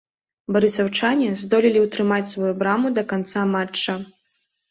Барысаўчане здолелі ўтрымаць сваю браму да канца матча.